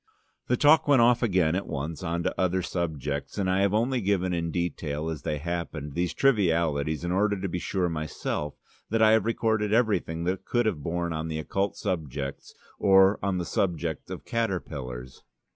The talk went off again at once on to other subjects, and I have only given in detail, as they happened, these trivialities in order to be sure myself that I have recorded everything that could have borne on occult subjects or on the subject of caterpillars.